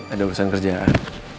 ada urusan kerjaan